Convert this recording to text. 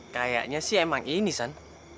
kayaknya sih emang ini kan